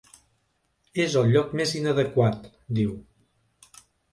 És el lloc més inadequat, diu.